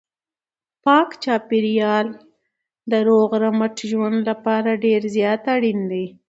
پاک چاپیریال د روغ رمټ ژوند لپاره ډېر زیات اړین دی.